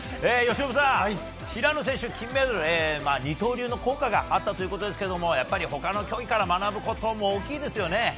由伸さん、平野選手、金メダル、二刀流の効果があったということですけれども、やっぱりほかの競技から学ぶことも大きいですよね。